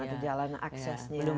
ada jalan aksesnya